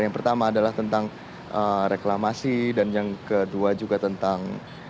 yang pertama adalah tentang reklamasi dan yang kedua juga tentang